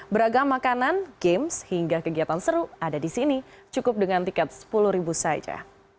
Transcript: beragam makanan games hingga kegiatan seru ada di sini cukup dengan tiket sepuluh ribu saja